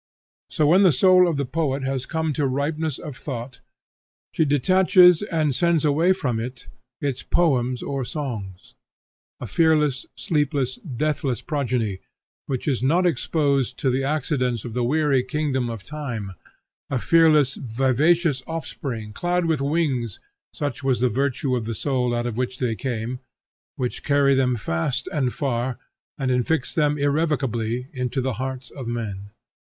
So when the soul of the poet has come to ripeness of thought, she detaches and sends away from it its poems or songs, a fearless, sleepless, deathless progeny, which is not exposed to the accidents of the weary kingdom of time; a fearless, vivacious offspring, clad with wings (such was the virtue of the soul out of which they came) which carry them fast and far, and infix them irrecoverably into the hearts of men.